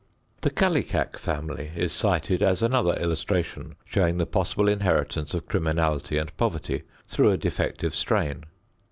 The Kallikak family is cited as another illustration showing the possible inheritance of criminality and poverty through a defective strain.